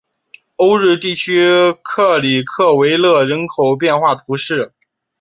欧日地区克里克维勒人口变化图示